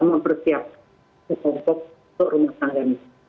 mempersiapkan untuk rumah tangga